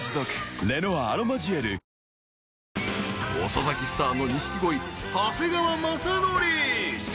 ［遅咲きスターの錦鯉長谷川雅紀］